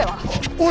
おい！